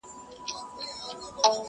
چي اوږدې غاړي لري هغه حلال که!.